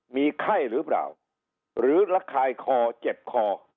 มีไข้หรือเปล่าหรือระคายคอเจ็บคอ